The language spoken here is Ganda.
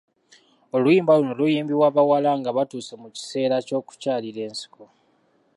Oluyimba luno luyimbibwa bawala nga batuuse mu kiseera ky’okukyalira ensiko.